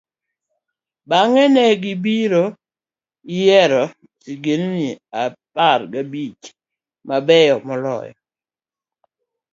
bang'e, ne gibiro yiero sigendini apar gi abich mabeyo moloyo.